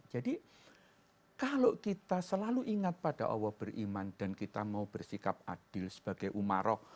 jadi kalau kita selalu ingat pada allah beriman dan kita mau bersikap adil sebagai umaroh